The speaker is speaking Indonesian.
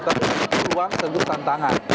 tapi itu luar sebut tantangan